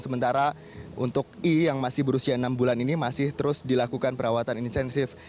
sementara untuk i yang masih berusia enam bulan ini masih terus dilakukan perawatan intensif